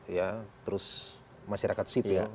ya terus masyarakat sipil